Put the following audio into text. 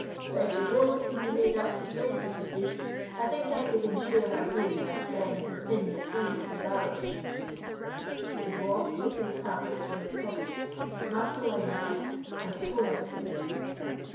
But if the gold could be made up to twenty pieces, I think I could ensure her being wi' her friends within the twenty four hours." The Dwarf took his tablets from his pocket, marked a line on them, and tore out the leaf.